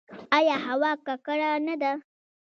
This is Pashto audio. آیا هوا ککړه نه ده؟